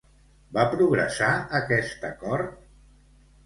Va progressar aquest acord?